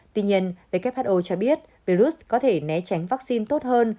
tuy nhiên who cho biết virus có thể né tránh vaccine tốt hơn